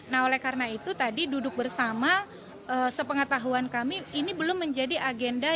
nah oleh karena itu tadi duduk bersama sepengetahuan kami ini belum menjadi agenda